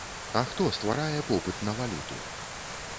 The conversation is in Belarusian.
А хто стварае попыт на валюту?